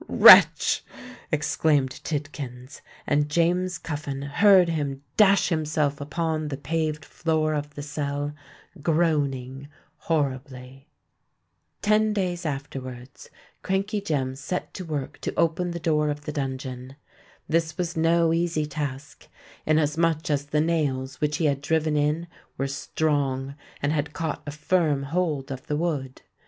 "Wretch!" exclaimed Tidkins; and James Cuffin heard him dash himself upon the paved floor of the cell, groaning horribly. Ten days afterwards, Crankey Jem set to work to open the door of the dungeon. This was no easy task; inasmuch as the nails which he had driven in were strong, and had caught a firm hold of the wood.